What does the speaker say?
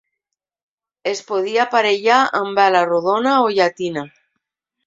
Es podia aparellar amb vela rodona o llatina.